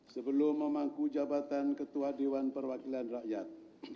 sebelum memangku jabatan ketua dewan perwakilan rakyat